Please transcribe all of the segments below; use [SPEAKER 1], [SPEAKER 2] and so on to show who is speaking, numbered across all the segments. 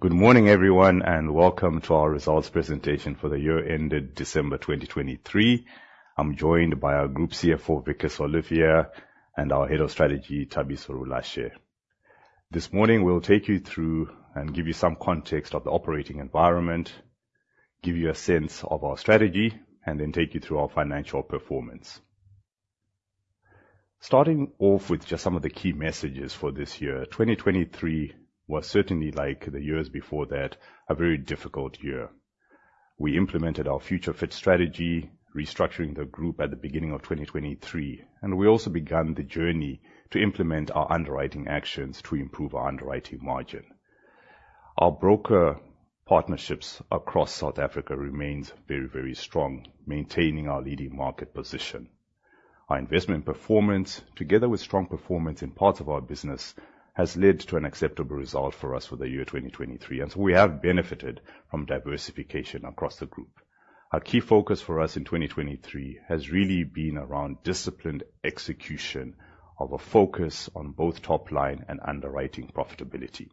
[SPEAKER 1] Good morning, everyone, and welcome to our results presentation for the year ended December 2023. I'm joined by our Group CFO, Wikus Olivier, and our Head of Strategy, Thabiso Rulashe. This morning we'll take you through and give you some context of the operating environment, give you a sense of our strategy, and then take you through our financial performance. Starting off with just some of the key messages for this year. 2023 was certainly, like the years before that, a very difficult year. We implemented our Future Fit strategy, restructuring the group at the beginning of 2023, and we also began the journey to implement our underwriting actions to improve our underwriting margin. Our broker partnerships across South Africa remains very, very strong, maintaining our leading market position. Our investment performance, together with strong performance in parts of our business, has led to an acceptable result for us for the year 2023, and so we have benefited from diversification across the group. Our key focus for us in 2023 has really been around disciplined execution of a focus on both top-line and underwriting profitability.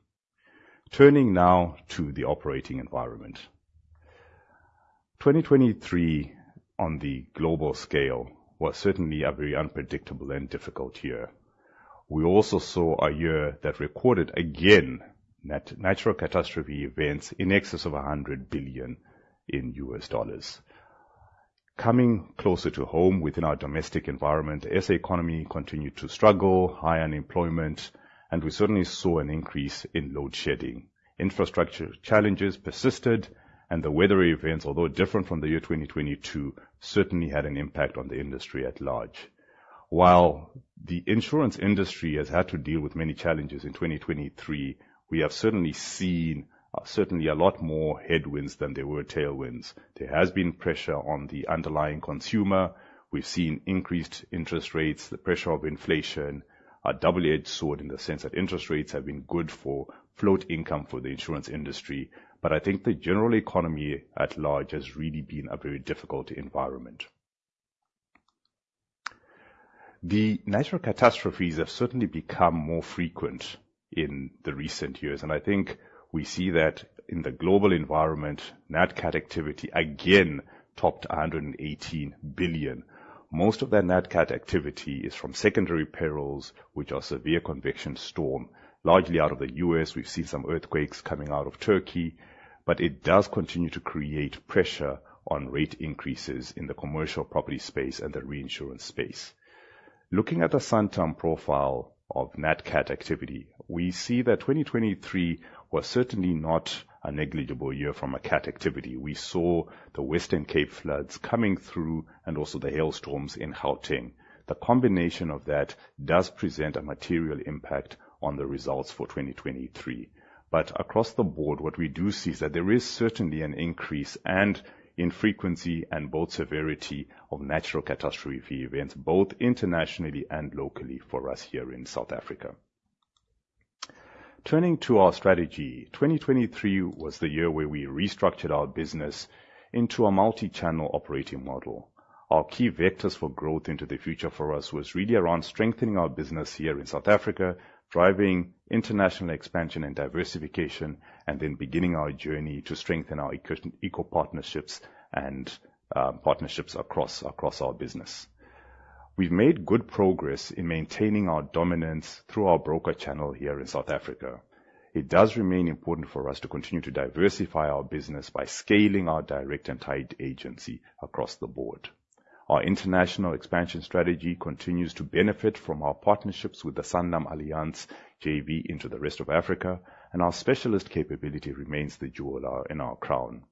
[SPEAKER 1] Turning now to the operating environment. 2023 on the global scale was certainly a very unpredictable and difficult year. We also saw a year that recorded, again, natural catastrophe events in excess of $100 billion. Coming closer to home, within our domestic environment, the SA economy continued to struggle, high unemployment, and we certainly saw an increase in load shedding. Infrastructure challenges persisted, and the weather events, although different from the year 2022, certainly had an impact on the industry at large. While the insurance industry has had to deal with many challenges in 2023, we have certainly seen certainly a lot more headwinds than there were tailwinds. There has been pressure on the underlying consumer. We've seen increased interest rates, the pressure of inflation, a double-edged sword in the sense that interest rates have been good for float income for the insurance industry. I think the general economy at large has really been a very difficult environment. The natural catastrophes have certainly become more frequent in the recent years, and I think we see that in the global environment, nat cat activity again topped $118 billion. Most of that nat cat activity is from secondary perils, which are severe convection storm, largely out of the U.S. We've seen some earthquakes coming out of Turkey. It does continue to create pressure on rate increases in the commercial property space and the reinsurance space. Looking at the Santam profile of nat cat activity, we see that 2023 was certainly not a negligible year from a cat activity. We saw the Western Cape floods coming through and also the hailstorms in Gauteng. The combination of that does present a material impact on the results for 2023. Across the board, what we do see is that there is certainly an increase and in frequency and both severity of natural catastrophe events, both internationally and locally for us here in South Africa. Turning to our strategy, 2023 was the year where we restructured our business into a multi-channel operating model. Our key vectors for growth into the future for us was really around strengthening our business here in South Africa, driving international expansion and diversification, then beginning our journey to strengthen our eco-partnerships and partnerships across our business. We've made good progress in maintaining our dominance through our broker channel here in South Africa. It does remain important for us to continue to diversify our business by scaling our direct and tied agency across the board. Our international expansion strategy continues to benefit from our partnerships with the SanlamAllianz JV into the rest of Africa, and our specialist capability remains the jewel in our crown.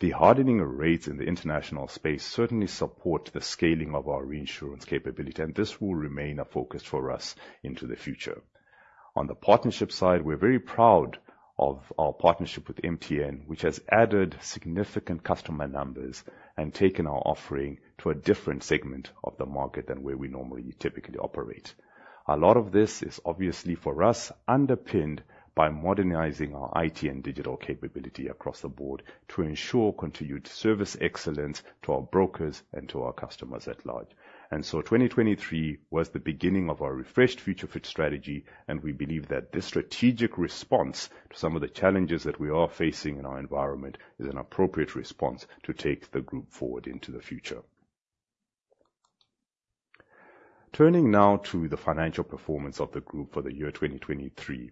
[SPEAKER 1] The hardening rates in the international space certainly support the scaling of our reinsurance capability, and this will remain a focus for us into the future. On the partnership side, we're very proud of our partnership with MTN, which has added significant customer numbers and taken our offering to a different segment of the market than where we normally typically operate. A lot of this is obviously for us underpinned by modernizing our IT and digital capability across the board to ensure continued service excellence to our brokers and to our customers at large. 2023 was the beginning of our refreshed Future Fit strategy, and we believe that this strategic response to some of the challenges that we are facing in our environment is an appropriate response to take the group forward into the future. Turning now to the financial performance of the group for the year 2023.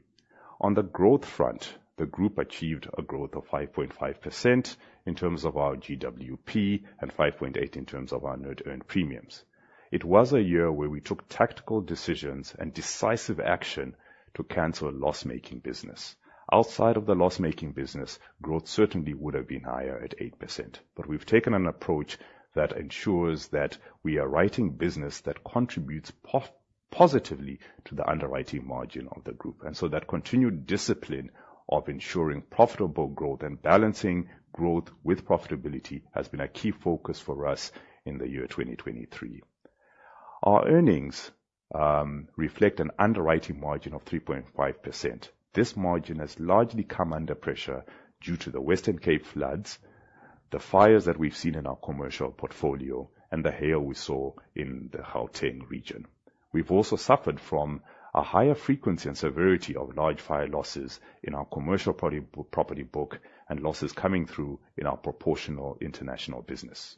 [SPEAKER 1] On the growth front, the group achieved a growth of 5.5% in terms of our GWP and 5.8% in terms of our net earned premiums. It was a year where we took tactical decisions and decisive action to cancel loss-making business. Outside of the loss-making business, growth certainly would have been higher at 8%, but we've taken an approach that ensures that we are writing business that contributes positively to the underwriting margin of the group. That continued discipline of ensuring profitable growth and balancing growth with profitability has been a key focus for us in the year 2023. Our earnings reflect an underwriting margin of 3.5%. This margin has largely come under pressure due to the Western Cape floods, the fires that we've seen in our commercial portfolio and the hail we saw in the Gauteng region. We've also suffered from a higher frequency and severity of large fire losses in our commercial property book and losses coming through in our proportional international business.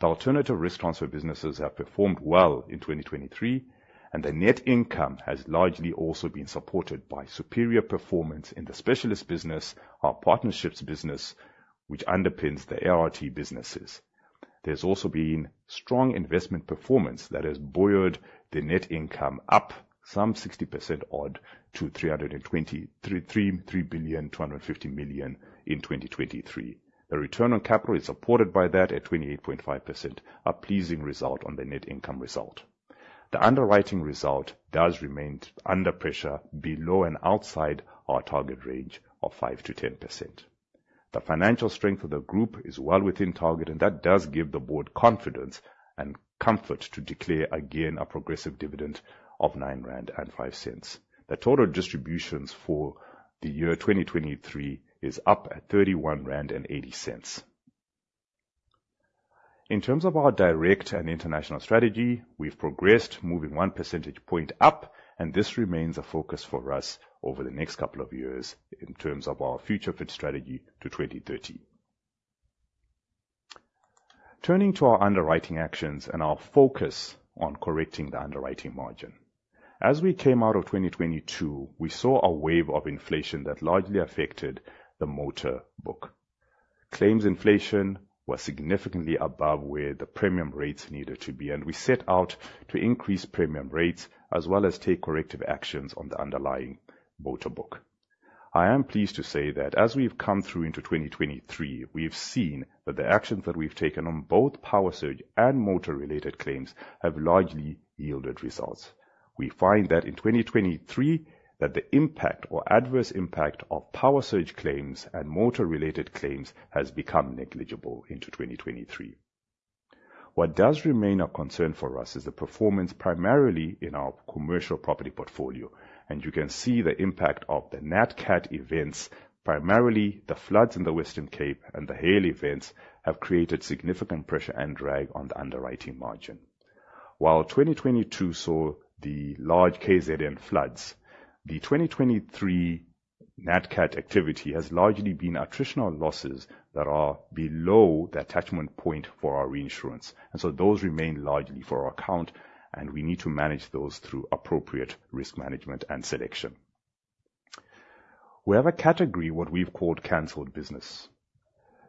[SPEAKER 1] The alternative risk transfer businesses have performed well in 2023, and the net income has largely also been supported by superior performance in the specialist business, our partnerships business, which underpins the ART businesses. There's also been strong investment performance that has buoyed the net income up some 60% odd to [323.25 billion] in 2023. The return on capital is supported by that at 28.5%, a pleasing result on the net income result. The underwriting result does remain under pressure below and outside our target range of 5%-10%. The financial strength of the group is well within target, and that does give the board confidence and comfort to declare again a progressive dividend of 9.05 rand. The total distributions for the year 2023 is up at 31.80 rand. In terms of our direct and international strategy, we've progressed, moving one percentage point up, and this remains a focus for us over the next couple of years in terms of our Future Fit strategy to 2030. Turning to our underwriting actions and our focus on correcting the underwriting margin. As we came out of 2022, we saw a wave of inflation that largely affected the motor book. Claims inflation was significantly above where the premium rates needed to be. We set out to increase premium rates as well as take corrective actions on the underlying motor book. I am pleased to say that as we've come through into 2023, we've seen that the actions that we've taken on both power surge and motor-related claims have largely yielded results. We find that in 2023 that the impact or adverse impact of power surge claims and motor-related claims has become negligible into 2023. What does remain a concern for us is the performance primarily in our commercial property portfolio. You can see the impact of the nat cat events. Primarily, the floods in the Western Cape and the hail events have created significant pressure and drag on the underwriting margin. While 2022 saw the large KZN floods, the 2023 nat cat activity has largely been attritional losses that are below the attachment point for our reinsurance. Those remain largely for our account. We need to manage those through appropriate risk management and selection. We have a category, what we've called canceled business.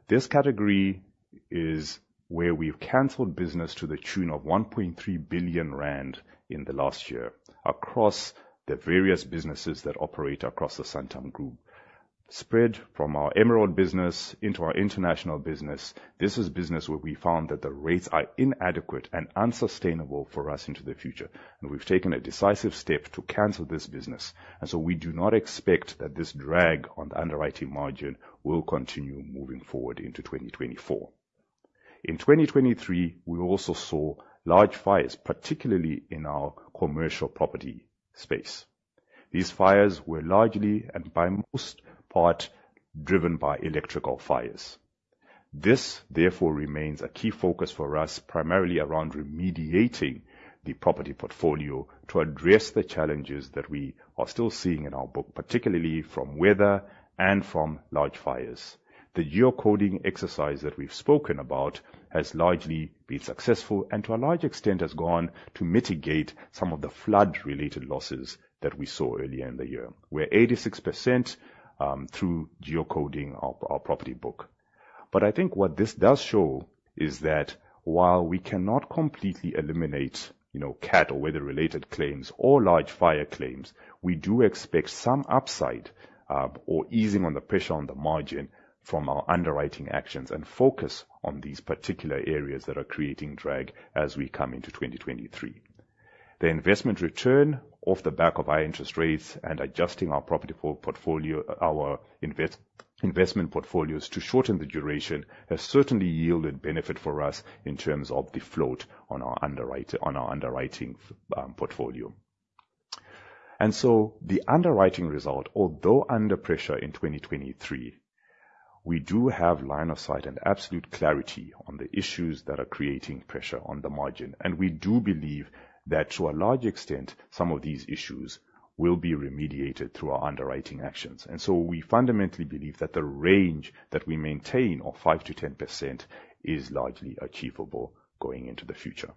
[SPEAKER 1] This category is where we've canceled business to the tune of 1.3 billion rand in the last year across the various businesses that operate across the Santam Group. Spread from our Emerald business into our international business, this is business where we found that the rates are inadequate and unsustainable for us into the future. We've taken a decisive step to cancel this business. We do not expect that this drag on the underwriting margin will continue moving forward into 2024. In 2023, we also saw large fires, particularly in our commercial property space. These fires were largely and by most part, driven by electrical fires. This therefore remains a key focus for us, primarily around remediating the property portfolio to address the challenges that we are still seeing in our book, particularly from weather and from large fires. The geocoding exercise that we've spoken about has largely been successful and to a large extent has gone to mitigate some of the flood-related losses that we saw earlier in the year. We're 86% through geocoding our property book. I think what this does show is that while we cannot completely eliminate CAT or weather-related claims or large fire claims, we do expect some upside or easing on the pressure on the margin from our underwriting actions and focus on these particular areas that are creating drag as we come into 2023. The investment return off the back of high interest rates and adjusting our investment portfolios to shorten the duration has certainly yielded benefit for us in terms of the float on our underwriting portfolio. The underwriting result, although under pressure in 2023, we do have line of sight and absolute clarity on the issues that are creating pressure on the margin. We do believe that to a large extent, some of these issues will be remediated through our underwriting actions. We fundamentally believe that the range that we maintain of 5%-10% is largely achievable going into the future.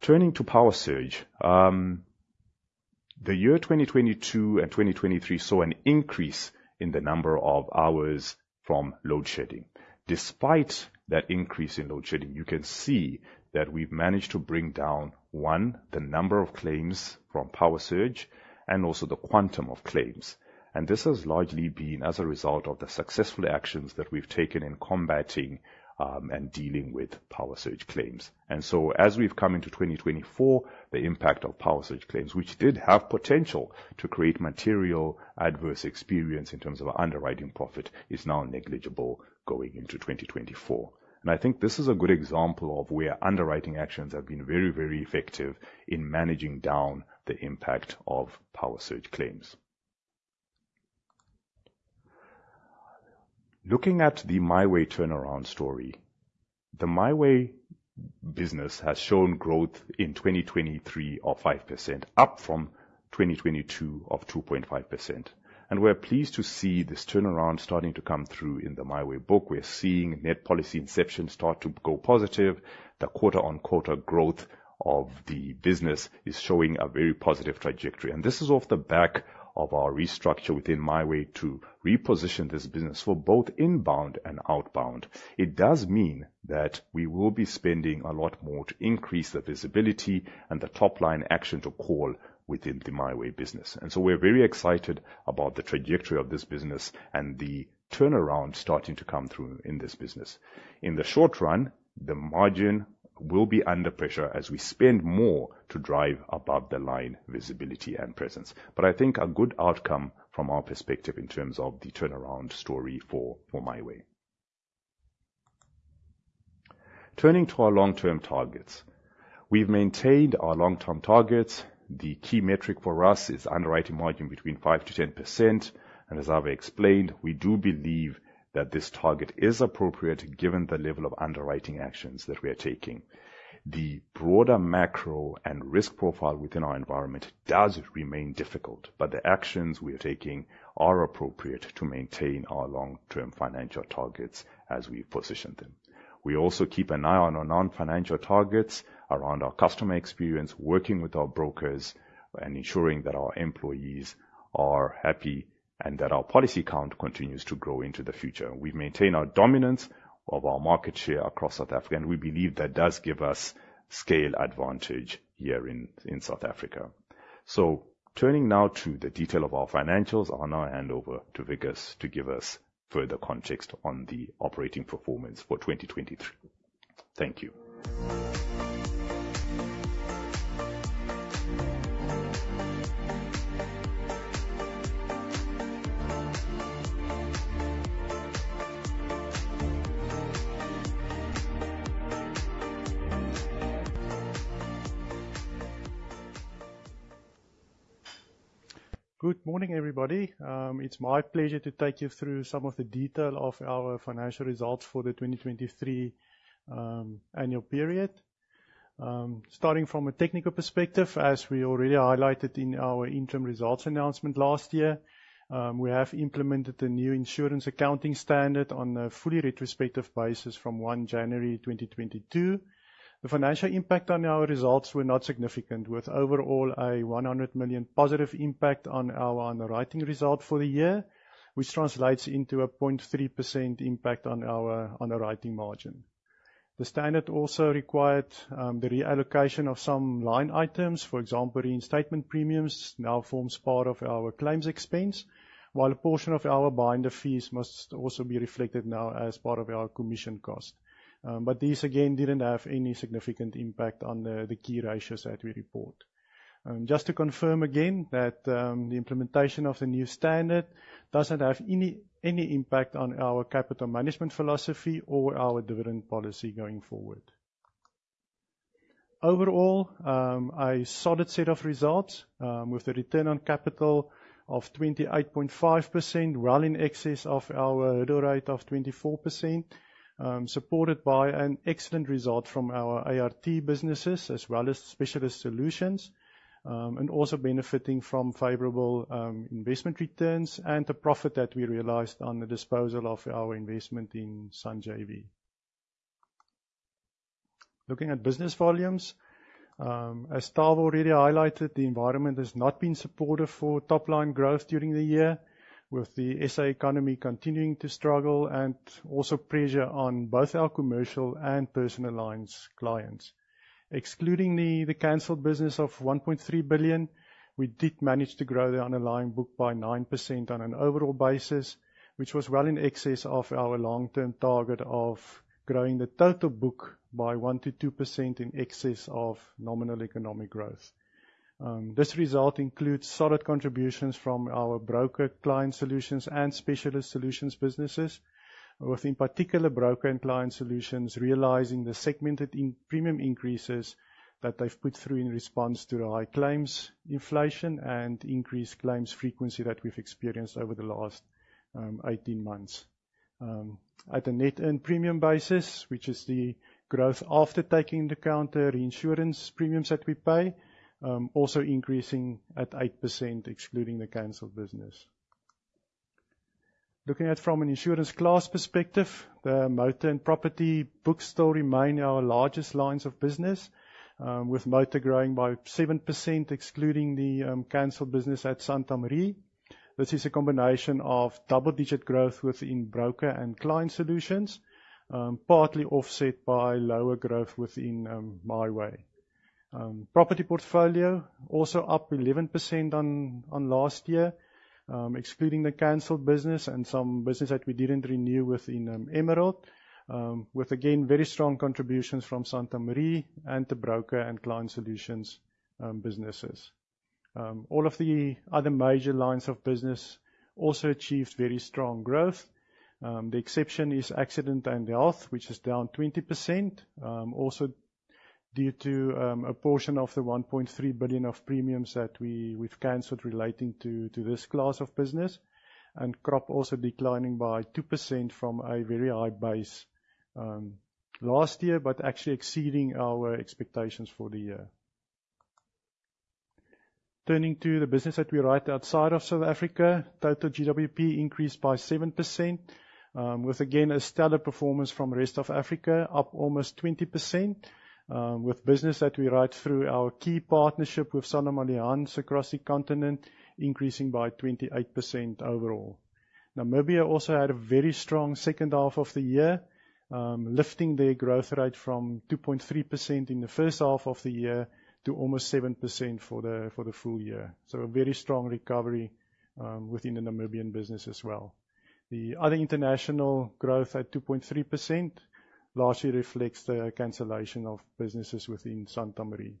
[SPEAKER 1] Turning to power surge. The year 2022 and 2023 saw an increase in the number of hours from load shedding. Despite that increase in load shedding, you can see that we've managed to bring down, one, the number of claims from power surge and also the quantum of claims. This has largely been as a result of the successful actions that we've taken in combating and dealing with power surge claims. As we've come into 2024, the impact of power surge claims, which did have potential to create material adverse experience in terms of underwriting profit, is now negligible going into 2024. I think this is a good example of where underwriting actions have been very, very effective in managing down the impact of power surge claims. Looking at the MiWay turnaround story. The MiWay business has shown growth in 2023 of 5%, up from 2022 of 2.5%. We're pleased to see this turnaround starting to come through in the MiWay book. We're seeing net policy inception start to go positive. The quarter-on-quarter growth of the business is showing a very positive trajectory. This is off the back of our restructure within MiWay to reposition this business for both inbound and outbound. It does mean that we will be spending a lot more to increase the visibility and the top-line action to call within the MiWay business. We're very excited about the trajectory of this business and the turnaround starting to come through in this business. In the short run, the margin will be under pressure as we spend more to drive above the line visibility and presence. I think a good outcome from our perspective in terms of the turnaround story for MiWay. Turning to our long-term targets. We've maintained our long-term targets. The key metric for us is underwriting margin between 5%-10%. As I've explained, we do believe that this target is appropriate given the level of underwriting actions that we are taking. The broader macro and risk profile within our environment does remain difficult, but the actions we are taking are appropriate to maintain our long-term financial targets as we position them. We also keep an eye on our non-financial targets around our customer experience, working with our brokers and ensuring that our employees are happy and that our policy count continues to grow into the future. We maintain our dominance of our market share across South Africa, and we believe that does give us scale advantage here in South Africa. Turning now to the detail of our financials. I'll now hand over to Wikus to give us further context on the operating performance for 2023. Thank you.
[SPEAKER 2] Good morning, everybody. It's my pleasure to take you through some of the detail of our financial results for the 2023 annual period. Starting from a technical perspective, as we already highlighted in our interim results announcement last year, we have implemented a new insurance accounting standard on a fully retrospective basis from 1 January 2022. The financial impact on our results were not significant, with overall a 100 million positive impact on our underwriting result for the year, which translates into a 0.3% impact on our underwriting margin. The standard also required the reallocation of some line items. For example, reinstatement premiums now forms part of our claims expense, while a portion of our binder fees must also be reflected now as part of our commission cost. These, again, didn't have any significant impact on the key ratios that we report. Just to confirm again that the implementation of the new standard doesn't have any impact on our capital management philosophy or our dividend policy going forward. Overall, a solid set of results with a return on capital of 28.5%, well in excess of our hurdle rate of 24%, supported by an excellent result from our ART businesses as well as specialist solutions. Also benefiting from favorable investment returns and the profit that we realized on the disposal of our investment in San JV. Looking at business volumes, as Tavaziva already highlighted, the environment has not been supportive for top-line growth during the year, with the SA economy continuing to struggle and also pressure on both our commercial and personal lines clients. Excluding the canceled business of 1.3 billion, we did manage to grow the underlying book by 9% on an overall basis, which was well in excess of our long-term target of growing the total book by 1%-2% in excess of nominal economic growth. This result includes solid contributions from our broker client solutions and specialist solutions businesses, with in particular broker and client solutions realizing the segmented premium increases that they've put through in response to the high claims inflation and increased claims frequency that we've experienced over the last 18 months. At a net earned premium basis, which is the growth after taking into account the reinsurance premiums that we pay, also increasing at 8%, excluding the canceled business. Looking at from an insurance class perspective, the motor and property books still remain our largest lines of business, with motor growing by 7%, excluding the canceled business at Santam Re. This is a combination of double-digit growth within broker and client solutions, partly offset by lower growth within MiWay. Property portfolio also up 11% on last year, excluding the canceled business and some business that we didn't renew within Emerald, with again, very strong contributions from Santam Re and the broker and client solutions businesses. All of the other major lines of business also achieved very strong growth. The exception is accident and health, which is down 20%. Due to a portion of the 1.3 billion of premiums that we've canceled relating to this class of business. Crop also declining by 2% from a very high base last year, actually exceeding our expectations for the year. Turning to the business that we write outside of South Africa, total GWP increased by 7%, with again, a stellar performance from Rest of Africa, up almost 20%, with business that we write through our key partnership with SanlamAllianz across the continent, increasing by 28% overall. Namibia also had a very strong second half of the year, lifting their growth rate from 2.3% in the first half of the year to almost 7% for the full year. A very strong recovery within the Namibian business as well. The other international growth at 2.3% lastly reflects the cancellation of businesses within Santam Re.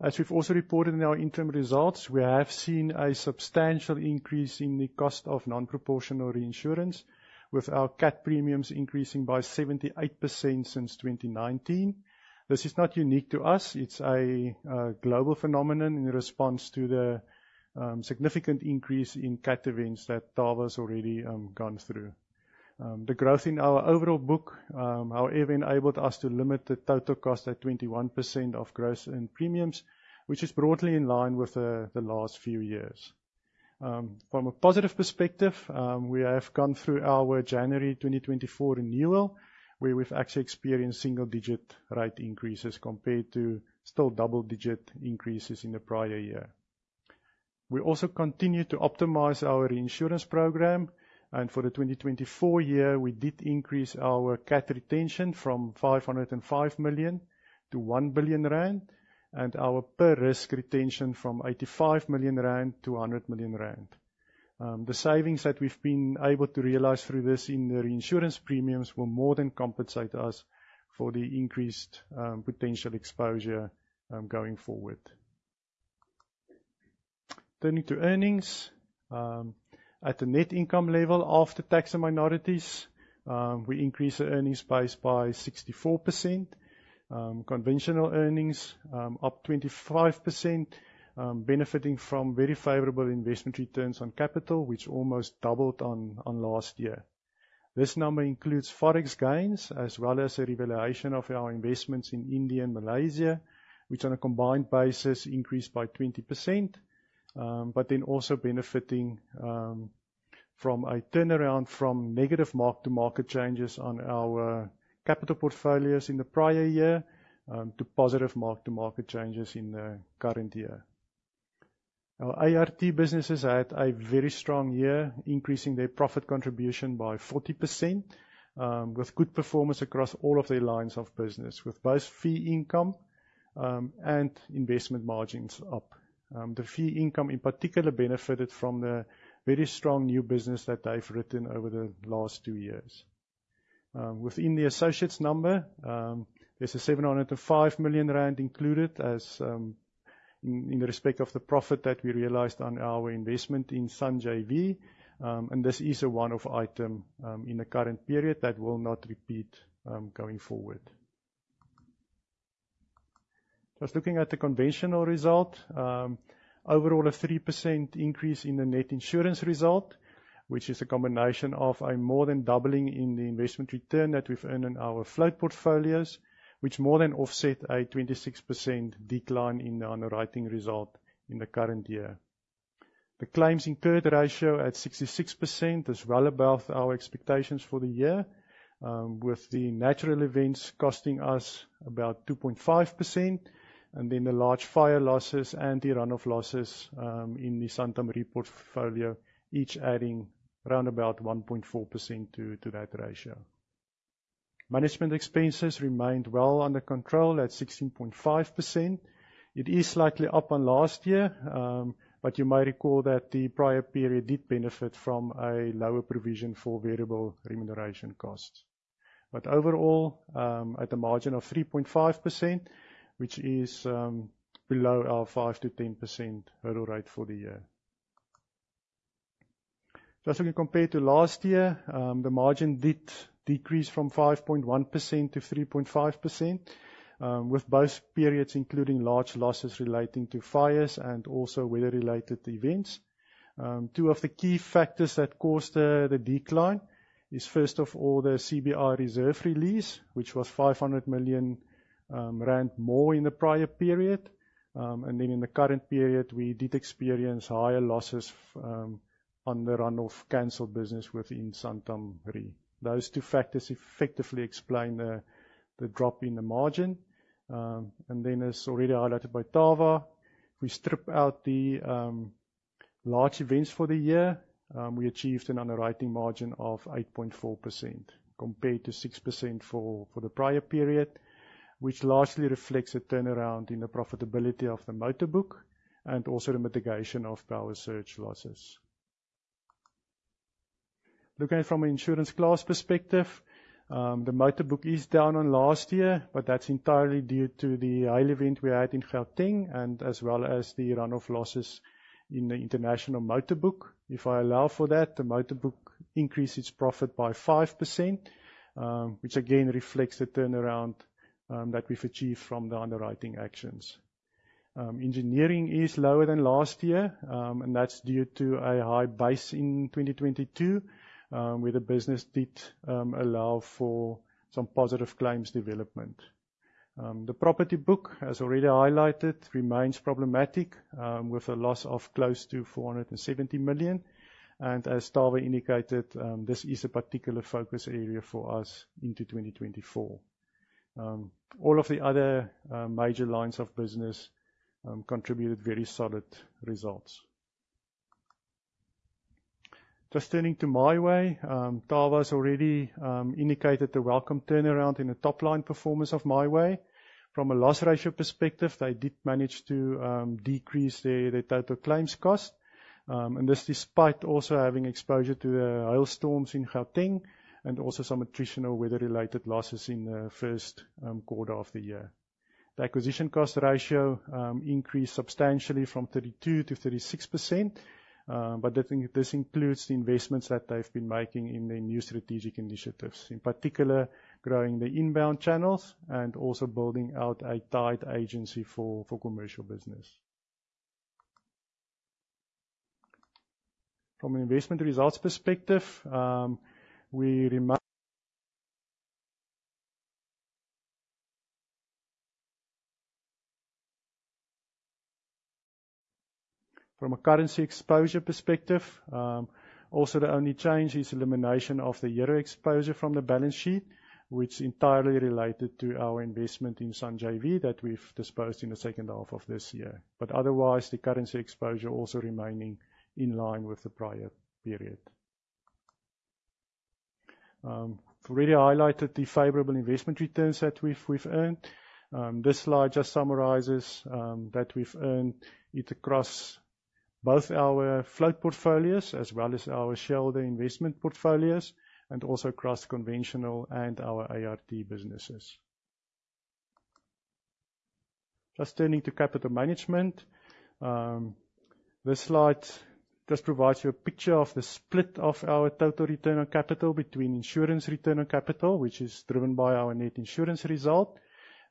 [SPEAKER 2] As we've also reported in our interim results, we have seen a substantial increase in the cost of non-proportional reinsurance, with our CAT premiums increasing by 78% since 2019. This is not unique to us. It's a global phenomenon in response to the significant increase in CAT events that Tava's already gone through. The growth in our overall book, however, enabled us to limit the total cost at 21% of gross written premiums, which is broadly in line with the last few years. From a positive perspective, we have gone through our January 2024 renewal, where we've actually experienced single-digit rate increases compared to still double-digit increases in the prior year. We also continue to optimize our reinsurance program, and for the 2024 year, we did increase our CAT retention from 505 million to 1 billion rand, and our per risk retention from 85 million rand to 100 million rand. The savings that we've been able to realize through this in the reinsurance premiums will more than compensate us for the increased potential exposure going forward. Turning to earnings. At the net income level after tax and minorities, we increased the earnings base by 64%. Conventional earnings up 25%, benefiting from very favorable investment returns on capital, which almost doubled on last year. This number includes Forex gains as well as a revaluation of our investments in India and Malaysia, which on a combined basis increased by 20%, also benefiting from a turnaround from negative mark-to-market changes on our capital portfolios in the prior year, to positive mark-to-market changes in the current year. Our ART businesses had a very strong year, increasing their profit contribution by 40%, with good performance across all of their lines of business, with both fee income and investment margins up. The fee income in particular benefited from the very strong new business that they've written over the last two years. Within the associates number, there's a 705 million rand included in respect of the profit that we realized on our investment in San JV. This is a one-off item in the current period that will not repeat going forward. Just looking at the conventional result. Overall, a 3% increase in the net insurance result, which is a combination of a more than doubling in the investment return that we've earned in our float portfolios, which more than offset a 26% decline in the underwriting result in the current year. The claims incurred ratio at 66% is well above our expectations for the year, with the natural events costing us about 2.5%, the large fire losses and the run-off losses in the Santam Re portfolio each adding round about 1.4% to that ratio. Management expenses remained well under control at 16.5%. It is slightly up on last year, you may recall that the prior period did benefit from a lower provision for variable remuneration costs. Overall, at a margin of 3.5%, which is below our 5%-10% hurdle rate for the year. Just looking compared to last year, the margin did decrease from 5.1% to 3.5%, with both periods including large losses relating to fires and also weather-related events. Two of the key factors that caused the decline is, first of all, the CBR reserve release, which was 500 million rand more in the prior period. In the current period, we did experience higher losses on the run-off canceled business within Santam Re. Those two factors effectively explain the drop in the margin. As already highlighted by Taava, if we strip out the large events for the year, we achieved an underwriting margin of 8.4%, compared to 6% for the prior period, which largely reflects a turnaround in the profitability of the motor book and also the mitigation of power surge losses. Looking at it from an insurance class perspective, the motor book is down on last year, but that's entirely due to the hail event we had in Gauteng and as well as the run-off losses in the international motor book. If I allow for that, the motor book increased its profit by 5%, which again reflects the turnaround that we've achieved from the underwriting actions. Engineering is lower than last year, and that's due to a high base in 2022, where the business did allow for some positive claims development. The property book, as already highlighted, remains problematic, with a loss of close to 470 million. As Tava indicated, this is a particular focus area for us into 2024. All of the other major lines of business contributed very solid results. Just turning to MiWay. Tava's already indicated the welcome turnaround in the top line performance of MiWay. From a loss ratio perspective, they did manage to decrease their total claims cost. This despite also having exposure to the hailstorms in Gauteng and also some attritional weather-related losses in the first quarter of the year. The acquisition cost ratio increased substantially from 32%-36%, but I think this includes the investments that they've been making in their new strategic initiatives, in particular growing the inbound channels and also building out a tied agency for commercial business. From an investment results perspective, From a currency exposure perspective, also the only change is elimination of the EUR exposure from the balance sheet, which is entirely related to our investment in SAN JV that we've disposed in the second half of this year. Otherwise, the currency exposure also remaining in line with the prior period. I've already highlighted the favorable investment returns that we've earned. This slide just summarizes that we've earned it across both our float portfolios as well as our shareholder investment portfolios, and also across conventional and our ART businesses. Just turning to capital management. This slide just provides you a picture of the split of our total return on capital between insurance return on capital, which is driven by our net insurance result,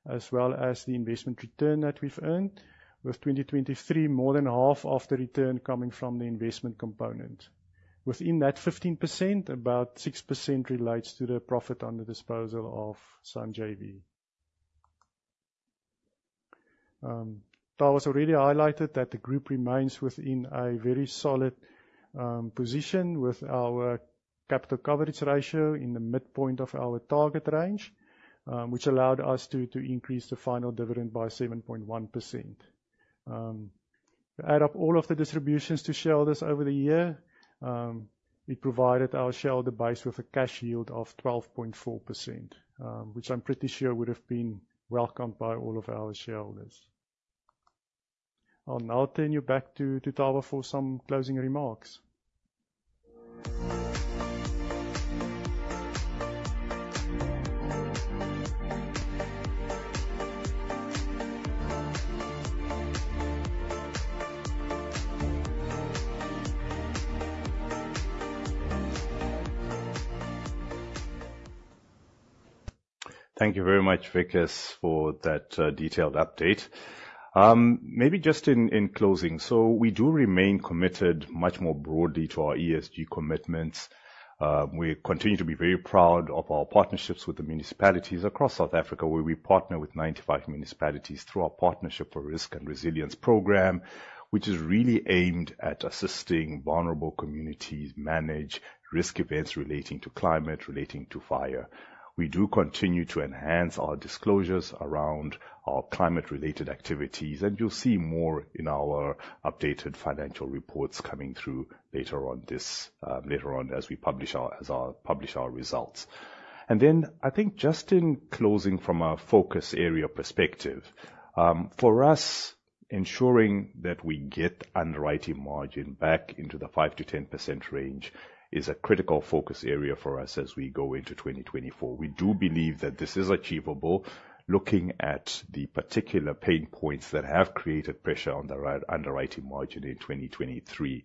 [SPEAKER 2] as well as the investment return that we've earned, with 2023 more than half of the return coming from the investment component. Within that 15%, about 6% relates to the profit on the disposal of SAN JV. Tavaziva's already highlighted that the group remains within a very solid position with our capital coverage ratio in the midpoint of our target range, which allowed us to increase the final dividend by 7.1%. To add up all of the distributions to shareholders over the year, we provided our shareholder base with a cash yield of 12.4%, which I'm pretty sure would have been welcomed by all of our shareholders. I'll now turn you back to Tavaziva for some closing remarks.
[SPEAKER 1] Thank you very much, Wikus, for that detailed update. Maybe just in closing. We do remain committed much more broadly to our ESG commitments. We continue to be very proud of our partnerships with the municipalities across South Africa, where we partner with 95 municipalities through our Partnership for Risk and Resilience program, which is really aimed at assisting vulnerable communities manage risk events relating to climate, relating to fire. We do continue to enhance our disclosures around our climate-related activities, and you'll see more in our updated financial reports coming through later on as we publish our results. I think just in closing from a focus area perspective. For us, ensuring that we get underwriting margin back into the 5%-10% range is a critical focus area for us as we go into 2024. We do believe that this is achievable looking at the particular pain points that have created pressure on the underwriting margin in 2023.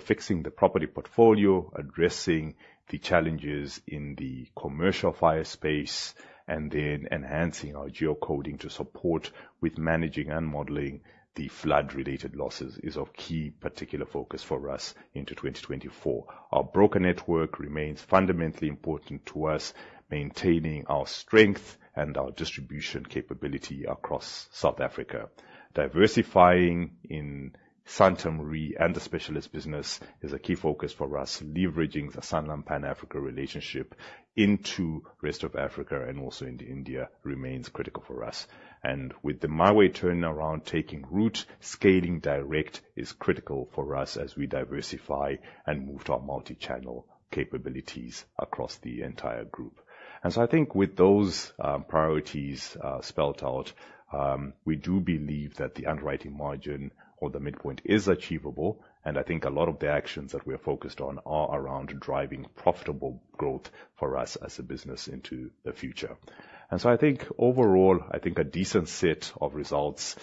[SPEAKER 1] Fixing the property portfolio, addressing the challenges in the commercial fire space, and then enhancing our geocoding to support with managing and modeling the flood-related losses is of key particular focus for us into 2024. Our broker network remains fundamentally important to us, maintaining our strength and our distribution capability across South Africa. Diversifying in Santam Re and the specialist business is a key focus for us. Leveraging the Sanlam Pan Africa relationship into rest of Africa and also into India remains critical for us. With the MiWay turnaround taking root, scaling direct is critical for us as we diversify and move to our multi-channel capabilities across the entire group. I think with those priorities spelt out, we do believe that the underwriting margin or the midpoint is achievable. I think a lot of the actions that we're focused on are around driving profitable growth for us as a business into the future. I think overall, I think a decent set of results,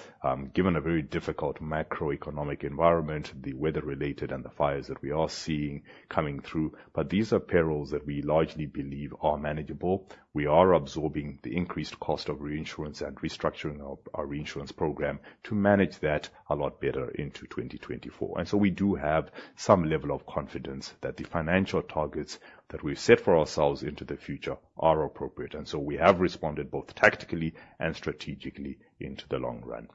[SPEAKER 1] given a very difficult macroeconomic environment, the weather-related and the fires that we are seeing coming through. These are perils that we largely believe are manageable. We are absorbing the increased cost of reinsurance and restructuring our reinsurance program to manage that a lot better into 2024. We do have some level of confidence that the financial targets that we've set for ourselves into the future are appropriate. We have responded both tactically and strategically into the long run.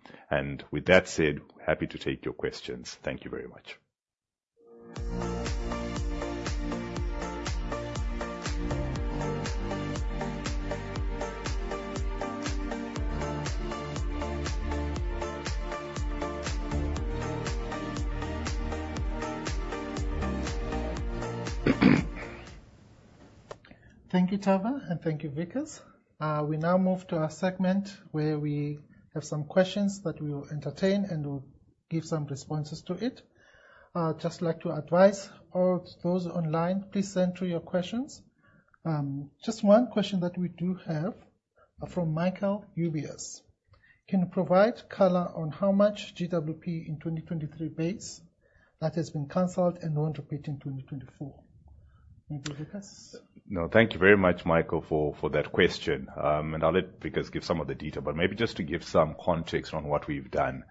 [SPEAKER 1] With that said, happy to take your questions. Thank you very much.
[SPEAKER 3] Thank you, Tava, and thank you, Wikus. We now move to our segment where we have some questions that we will entertain and we'll give some responses to it. Like to advise all those online, please send through your questions. One question that we do have from Michael Ubias. Can you provide color on how much GWP in 2023 base that has been canceled and won't repeat in 2024? Maybe Wikus.
[SPEAKER 1] Thank you very much, Michael, for that question. I'll let Wikus give some of the detail. Maybe just to give some context on what we've done.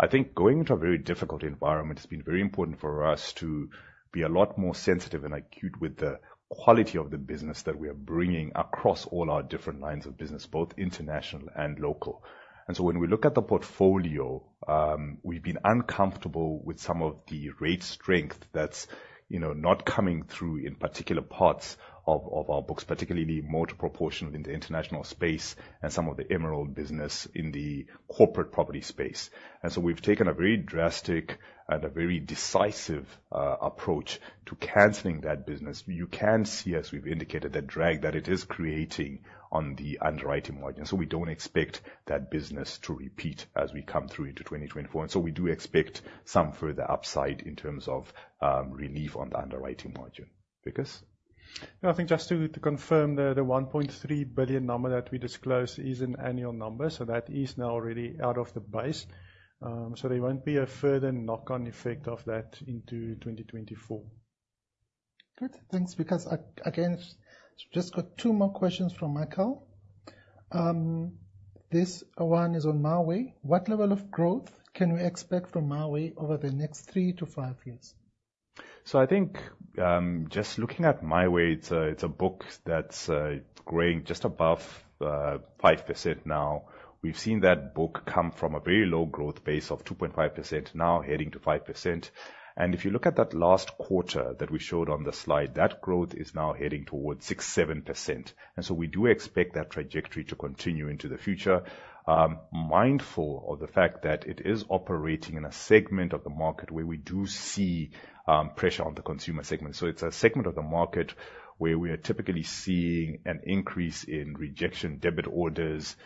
[SPEAKER 1] I think going into a very difficult environment, it's been very important for us to be a lot more sensitive and acute with the quality of the business that we are bringing across all our different lines of business, both international and local. When we look at the portfolio, we've been uncomfortable with some of the rate strength that's not coming through in particular parts of our books, particularly the motor proportional in the international space and some of the Emerald business in the corporate property space. We've taken a very drastic and a very decisive approach to canceling that business. You can see, as we've indicated, the drag that it is creating on the underwriting margin. We don't expect that business to repeat as we come through into 2024. We do expect some further upside in terms of relief on the underwriting margin. Wikus.
[SPEAKER 2] I think just to confirm, the 1.3 billion number that we disclosed is an annual number, that is now already out of the base. There won't be a further knock-on effect of that into 2024.
[SPEAKER 3] Good. Thanks, Wikus. Again, just got two more questions from Michael. This one is on MiWay. What level of growth can we expect from MiWay over the next three to five years?
[SPEAKER 1] I think just looking at MiWay, it's a book that's growing just above 5% now. We've seen that book come from a very low growth base of 2.5%, now heading to 5%. If you look at that last quarter that we showed on the slide, that growth is now heading towards 6, 7%. We do expect that trajectory to continue into the future, mindful of the fact that it is operating in a segment of the market where we do see pressure on the consumer segment. It's a segment of the market where we are typically seeing an increase in rejection debit orders.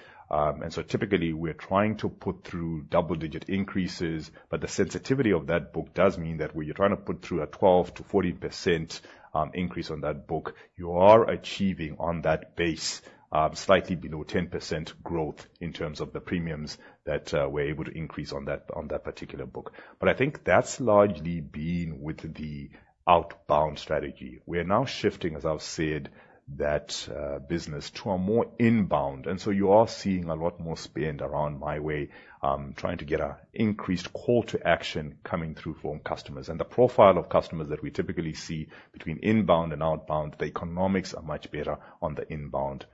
[SPEAKER 1] Typically, we're trying to put through double-digit increases, but the sensitivity of that book does mean that where you're trying to put through a 12%-14% increase on that book, you are achieving on that base slightly below 10% growth in terms of the premiums that we're able to increase on that particular book. I think that's largely been with the outbound strategy. We're now shifting, as I've said, that business to a more inbound. You are seeing a lot more spend around MiWay, trying to get an increased call to action coming through from customers. The profile of customers that we typically see between inbound and outbound, the economics are much better on the inbound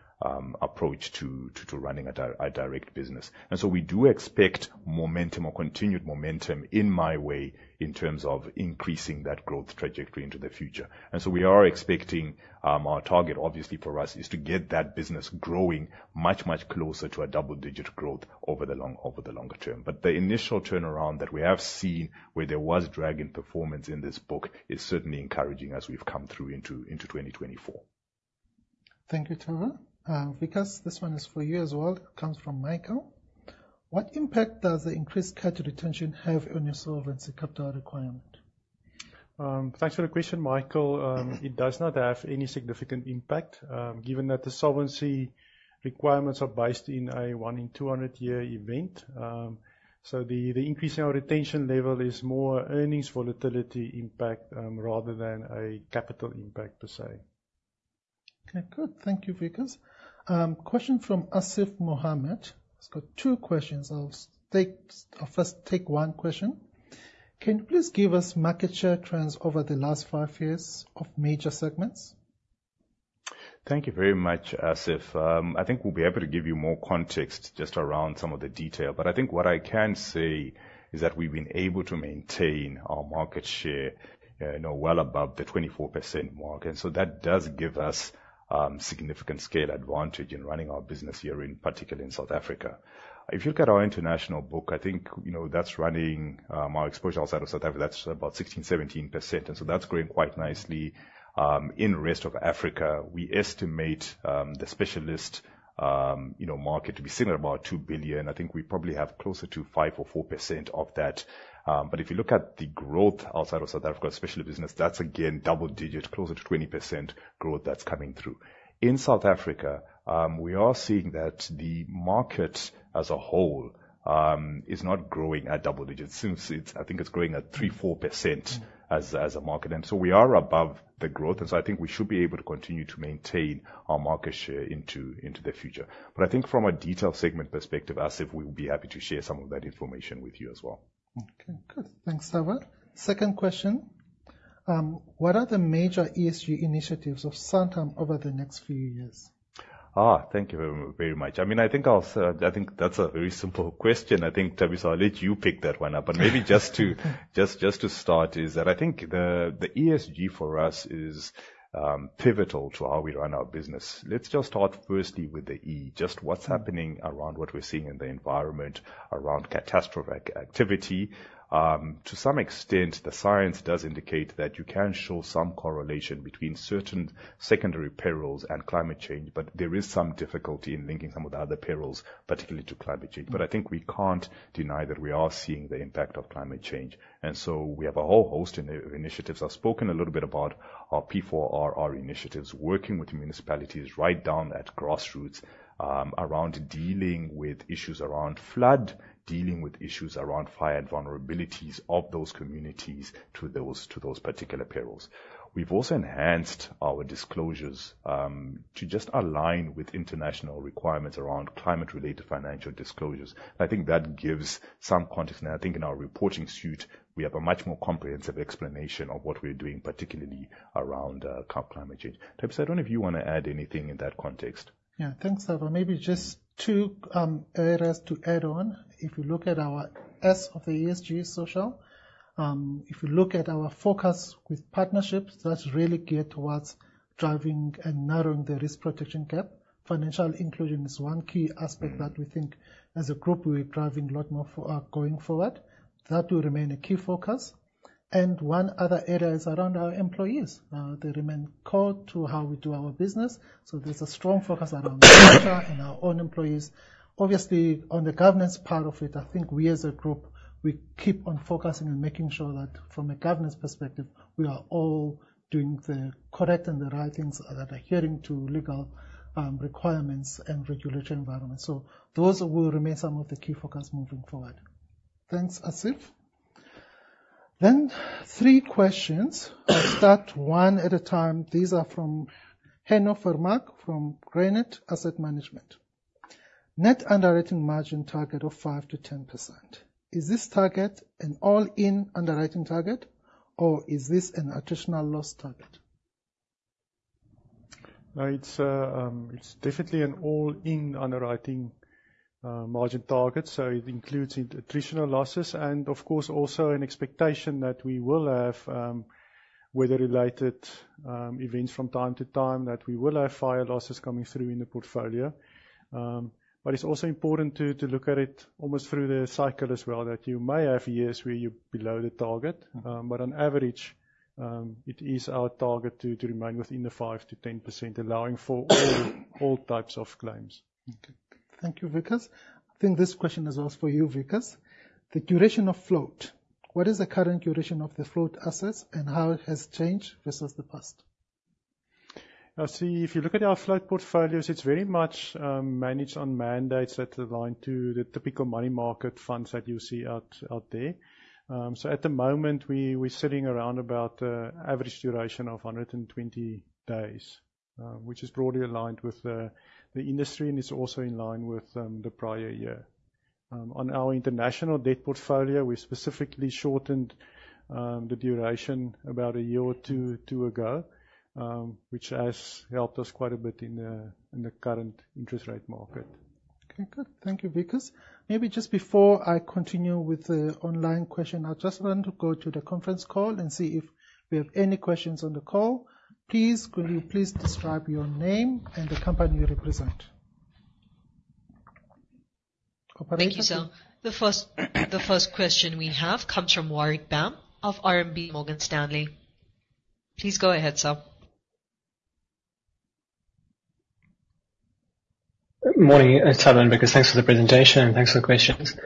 [SPEAKER 1] approach to running a direct business. We do expect momentum or continued momentum in MiWay in terms of increasing that growth trajectory into the future. We are expecting, our target obviously for us, is to get that business growing much, much closer to a double-digit growth over the longer term. The initial turnaround that we have seen where there was drag in performance in this book is certainly encouraging as we've come through into 2024.
[SPEAKER 3] Thank you, Tava. Wikus, this one is for you as well. It comes from Michael. What impact does the increased CAT retention have on your solvency capital requirement?
[SPEAKER 2] Thanks for the question, Michael. It does not have any significant impact, given that the solvency requirements are based in a one in 200 year event. The increase in our retention level is more earnings volatility impact rather than a capital impact, per se.
[SPEAKER 3] Okay, good. Thank you, Wikus. Question from Asif Mohammed. He's got two questions. I'll first take one question. Can you please give us market share trends over the last five years of major segments?
[SPEAKER 1] Thank you very much, Asif Mohammed. We'll be able to give you more context just around some of the detail. What I can say is that we've been able to maintain our market share well above the 24% mark. That does give us significant scale advantage in running our business here, particularly in South Africa. If you look at our international book, that's running our exposure outside of South Africa. That's about 16, 17%. That's growing quite nicely. In rest of Africa, we estimate the specialist market to be sitting at about 2 billion. We probably have closer to 5% or 4% of that. If you look at the growth outside of South Africa, especially business, that's again double digit, closer to 20% growth that's coming through. In South Africa, we are seeing that the market as a whole is not growing at double digits. It's growing at 3%, 4% as a market. We are above the growth, we should be able to continue to maintain our market share into the future. From a detailed segment perspective, Asif Mohammed, we would be happy to share some of that information with you as well.
[SPEAKER 3] Okay, good. Thanks, Tavaziva. Second question. What are the major ESG initiatives of Santam over the next few years?
[SPEAKER 1] Thank you very much. That's a very simple question. Thabiso, I'll let you pick that one up. Maybe just to start is that the ESG for us is pivotal to how we run our business. Let's just start firstly with the E, just what's happening around what we're seeing in the environment around catastrophic activity. To some extent, the science does indicate that you can show some correlation between certain secondary perils and climate change. There is some difficulty in linking some of the other perils, particularly to climate change. We can't deny that we are seeing the impact of climate change. We have a whole host of initiatives. I've spoken a little bit about our P4RR initiatives, working with municipalities right down at grassroots around dealing with issues around flood, dealing with issues around fire and vulnerabilities of those communities to those particular perils. We've also enhanced our disclosures to just align with international requirements around climate-related financial disclosures. I think that gives some context. Now, I think in our reporting suite, we have a much more comprehensive explanation of what we're doing, particularly around climate change. Thabiso, I don't know if you want to add anything in that context.
[SPEAKER 3] Yeah. Thanks, Thabo. Maybe just two areas to add on. If you look at our S of the ESG, social. If you look at our focus with partnerships, that really geared towards driving and narrowing the risk protection gap. Financial inclusion is one key aspect that we think as a group we're driving a lot more going forward. That will remain a key focus. One other area is around our employees. They remain core to how we do our business. There's a strong focus around culture and our own employees. Obviously, on the governance part of it, I think we as a group, we keep on focusing and making sure that from a governance perspective, we are all doing the correct and the right things that adhering to legal requirements and regulatory environment. Those will remain some of the key focus moving forward. Thanks, Asif. Three questions. I'll start one at a time. These are from Henno Vermaak from Granate Asset Management. Net underwriting margin target of 5%-10%. Is this target an all-in underwriting target or is this an attritional loss target?
[SPEAKER 2] No, it's definitely an all-in underwriting margin target, it includes attritional losses and of course also an expectation that we will have weather-related events from time to time, that we will have fire losses coming through in the portfolio. It's also important to look at it almost through the cycle as well, that you may have years where you're below the target. On average, it is our target to remain within the 5%-10%, allowing for all types of claims.
[SPEAKER 3] Okay. Thank you, Wikus. I think this question is asked for you, Wikus. The duration of float. What is the current duration of the float assets and how it has changed versus the past?
[SPEAKER 2] If you look at our float portfolios, it's very much managed on mandates that align to the typical money market funds that you see out there. At the moment, we're sitting around about average duration of 120 days, which is broadly aligned with the industry and is also in line with the prior year. On our international debt portfolio, we specifically shortened the duration about a year or two ago, which has helped us quite a bit in the current interest rate market.
[SPEAKER 3] Okay, good. Thank you, Wikus. Maybe just before I continue with the online question, I just want to go to the conference call and see if we have any questions on the call. Please, could you please describe your name and the company you represent? Operator.
[SPEAKER 4] Thank you, Sal. The first question we have comes from Warwick Bam of RMB Morgan Stanley. Please go ahead, sir.
[SPEAKER 5] Morning, Tavaziva and Wikus. Thanks for the presentation and thanks for the questions.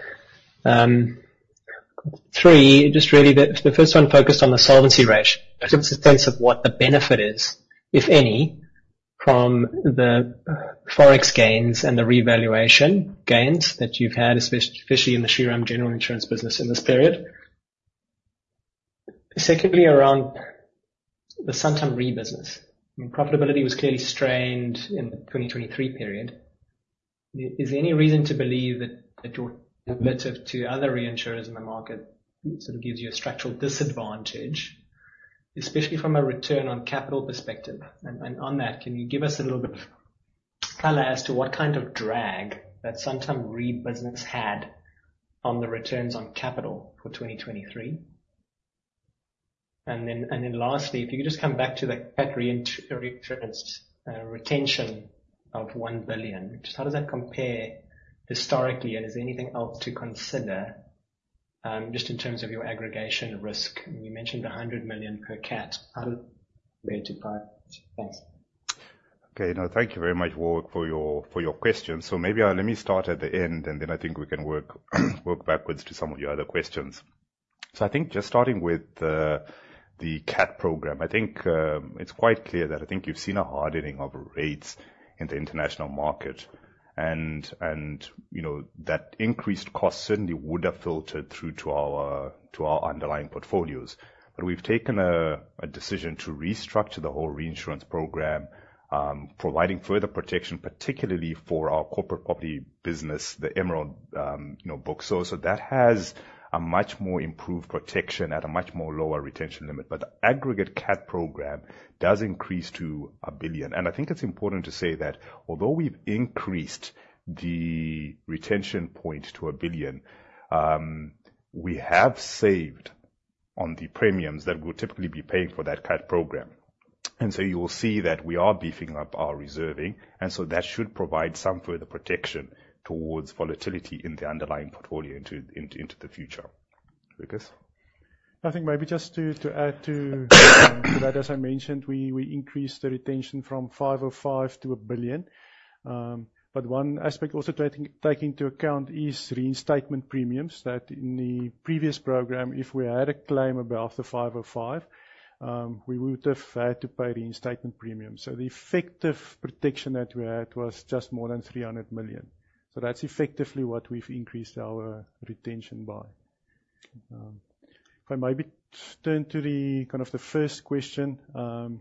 [SPEAKER 5] Three, the first one focused on the solvency ratio in sense of what the benefit is, if any, from the Forex gains and the revaluation gains that you've had, especially in the Shriram General Insurance business in this period. Secondly, around the Santam Re business. Profitability was clearly strained in the 2023 period. Is there any reason to believe that your commitment to other reinsurers in the market sort of gives you a structural disadvantage, especially from a return on capital perspective? On that, can you give us a little bit of color as to what kind of drag that Santam Re business had on the returns on capital for 2023? Lastly, if you could just come back to the CAT reinsurance retention of 1 billion. How does that compare historically, is there anything else to consider, in terms of your aggregation risk? You mentioned 100 million per CAT. How thanks.
[SPEAKER 1] Thank you very much, Warwick, for your question. Maybe let me start at the end, then I think we can work backwards to some of your other questions. Starting with the CAT program. I think it's quite clear that you've seen a hardening of rates in the international market, that increased cost certainly would have filtered through to our underlying portfolios. We've taken a decision to restructure the whole reinsurance program, providing further protection, particularly for our corporate property business, the Emerald book. That has a much more improved protection at a much more lower retention limit. The aggregate CAT program does increase to 1 billion. I think it's important to say that although we've increased the retention point to 1 billion, we have saved On the premiums that we'll typically be paying for that CAT program. You will see that we are beefing up our reserving. That should provide some further protection towards volatility in the underlying portfolio into the future. Wikus?
[SPEAKER 2] I think maybe just to add to that, as I mentioned, we increased the retention from 505 million to 1 billion. One aspect also to take into account is reinstatement premiums, that in the previous program, if we had a claim above the 505 million, we would have had to pay reinstatement premiums. The effective protection that we had was just more than 300 million. That's effectively what we've increased our retention by. If I maybe turn to the first question. The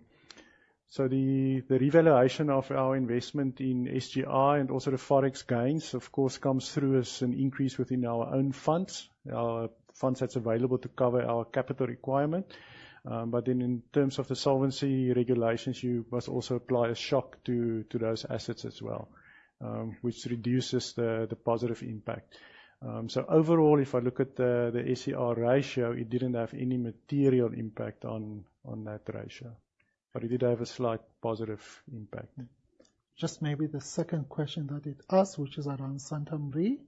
[SPEAKER 2] revaluation of our investment in SGI and also the Forex gains, of course, comes through as an increase within our own funds that's available to cover our capital requirement. In terms of the solvency regulations, you must also apply a shock to those assets as well, which reduces the positive impact. Overall, if I look at the SCR ratio, it didn't have any material impact on that ratio, but it did have a slight positive impact.
[SPEAKER 3] Just maybe the second question that it asked, which is around Santam Re.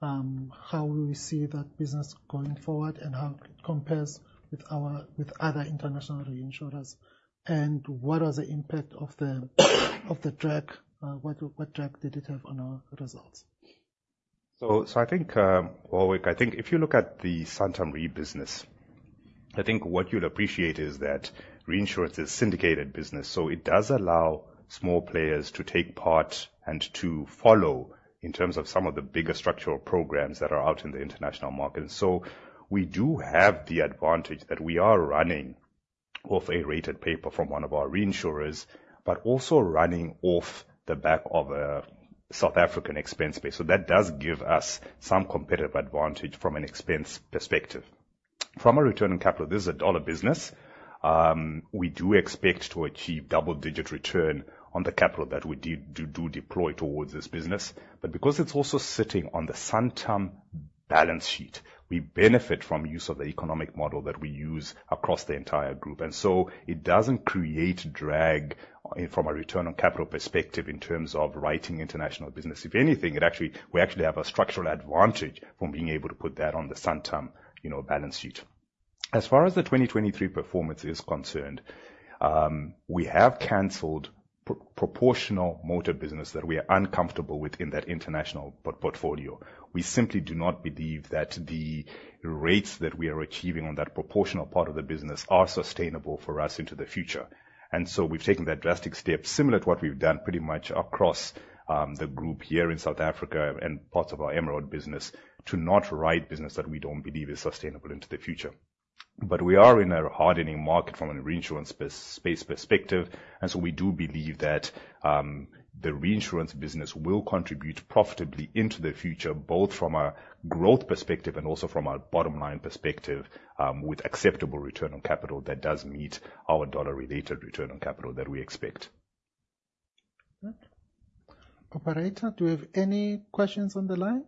[SPEAKER 3] How we see that business going forward and how it compares with other international reinsurers. What drag did it have on our results?
[SPEAKER 1] Warwick, I think if you look at the Santam Re business, I think what you'll appreciate is that reinsurance is syndicated business. It does allow small players to take part and to follow in terms of some of the bigger structural programs that are out in the international market. We do have the advantage that we are running off A-rated paper from one of our reinsurers, but also running off the back of a South African expense base. That does give us some competitive advantage from an expense perspective. From a return on capital, this is a dollar business. We do expect to achieve double-digit return on the capital that we do deploy towards this business. Because it's also sitting on the Santam balance sheet, we benefit from use of the economic model that we use across the entire group. It doesn't create drag from a return on capital perspective in terms of writing international business. If anything, we actually have a structural advantage from being able to put that on the Santam balance sheet. As far as the 2023 performance is concerned, we have canceled proportional motor business that we are uncomfortable with in that international portfolio. We simply do not believe that the rates that we are achieving on that proportional part of the business are sustainable for us into the future. We've taken that drastic step, similar to what we've done pretty much across the group here in South Africa and parts of our Emerald business, to not write business that we don't believe is sustainable into the future. We are in a hardening market from a reinsurance space perspective. We do believe that the reinsurance business will contribute profitably into the future, both from a growth perspective and also from a bottom line perspective, with acceptable return on capital that does meet our dollar-related return on capital that we expect.
[SPEAKER 3] Operator, do we have any questions on the line?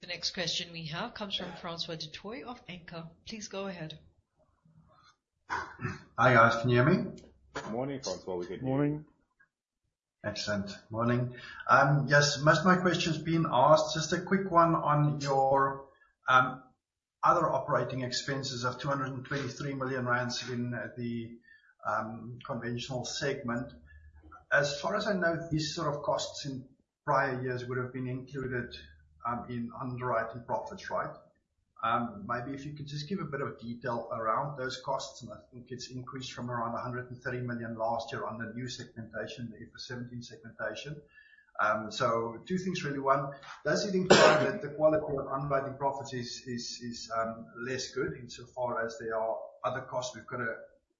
[SPEAKER 4] The next question we have comes from Francois du Toit of Anchor. Please go ahead.
[SPEAKER 6] Hi, guys. Can you hear me?
[SPEAKER 1] Morning, Francois. We can hear you.
[SPEAKER 3] Morning.
[SPEAKER 6] Excellent. Morning. Yes. Most of my question's been asked. Just a quick one on your other operating expenses of 223 million rand in the conventional segment. As far as I know, these sort of costs in prior years would have been included in underwriting profits, right? Maybe if you could just give a bit of detail around those costs. I think it's increased from around 130 million last year on the new segmentation, the IFRS 17 segmentation. Two things really. One, does it imply that the quality of underwriting profits is less good insofar as there are other costs we've got,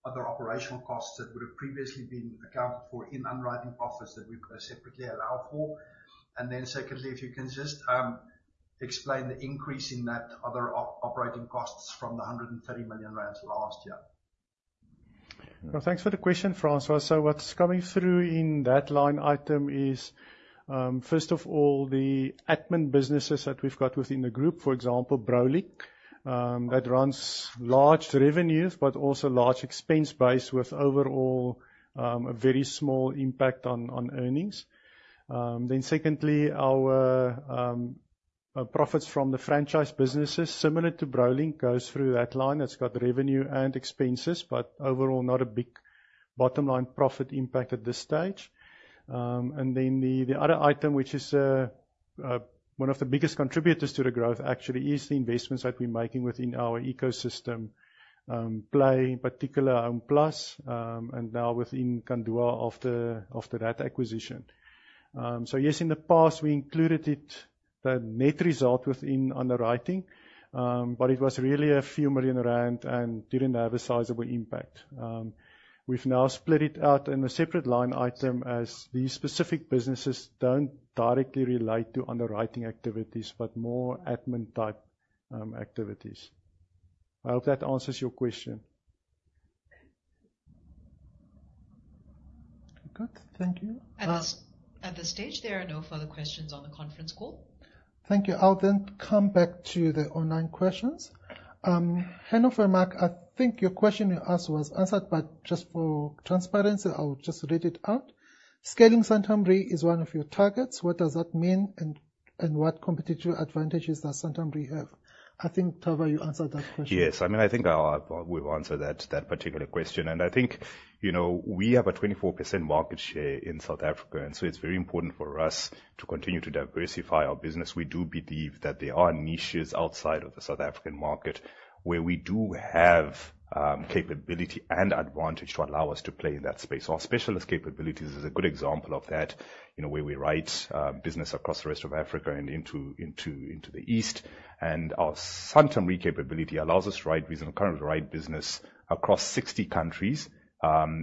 [SPEAKER 6] other operational costs that would have previously been accounted for in underwriting profits that we've got to separately allow for? Secondly, if you can just explain the increase in that other operating costs from the 130 million rand last year.
[SPEAKER 2] Well, thanks for the question, Francois. What's coming through in that line item is, first of all, the admin businesses that we've got within the group. For example, Brolink, that runs large revenues but also large expense base with overall a very small impact on earnings. Secondly, our profits from the franchise businesses, similar to Brolink, goes through that line. It's got revenue and expenses, but overall, not a big bottom line profit impact at this stage. The other item, which is one of the biggest contributors to the growth actually, is the investments that we're making within our ecosystem play, in particular, HomePlus, and now within Kandua after that acquisition. Yes, in the past, we included it, the net result within underwriting, but it was really a few million ZAR and didn't have a sizable impact. We've now split it out in a separate line item as these specific businesses don't directly relate to underwriting activities, but more admin type activities. I hope that answers your question.
[SPEAKER 3] Thank you.
[SPEAKER 4] At this stage, there are no further questions on the conference call.
[SPEAKER 3] Thank you. I'll come back to the online questions. Henno Vermaak, I think your question you asked was answered, just for transparency, I'll just read it out. Scaling Santam Re is one of your targets. What does that mean and what competitive advantages does Santam Re have? I think Tavaziva you answered that question.
[SPEAKER 1] Yes. I think I will answer that particular question. I think, we have a 24% market share in South Africa, it's very important for us to continue to diversify our business. We do believe that there are niches outside of the South African market where we do have capability and advantage to allow us to play in that space. Our specialist capabilities is a good example of that, where we write business across the rest of Africa and into the East. Our Santam Re capability allows us to write business across 60 countries.